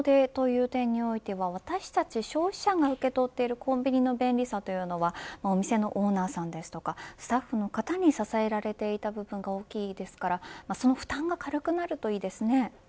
その人手という点においては私たち消費者の受け取っているコンビニの便利さというのはお店のオーナーさんですとかスタッフの方に支えられていた部分が大きいですからその負担が軽くなるといいですよね。